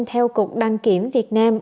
theo cục đăng kiểm việt nam